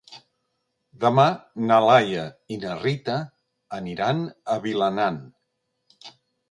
Demà na Laia i na Rita aniran a Vilanant.